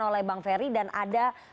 oleh bang ferry dan ada